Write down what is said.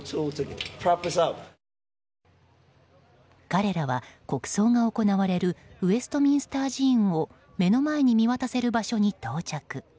彼らは、国葬が行われるウェストミンスター寺院を目の前に見渡せる場所に到着。